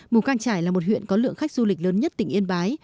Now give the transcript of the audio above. mù căng trải là một huyện có lượng khách du lịch lớn nhất tỉnh yên bái